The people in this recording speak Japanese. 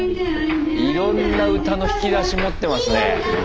いろんな歌の引き出し持ってますね。